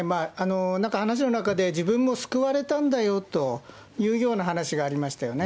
なんか話の中で自分も救われたんだよというような話がありましたよね。